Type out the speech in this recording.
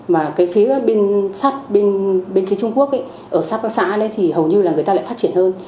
mà cái phía bên sát bên phía trung quốc ở sắp các xã thì hầu như là người ta lại phát triển hơn